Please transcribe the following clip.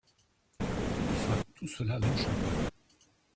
Enfin tout cela l’enchantait.